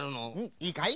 いいかい？